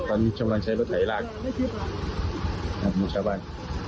ตอนนี้ชาวบ้านใช้รถไหลลากแบบนี้ชาวบ้าน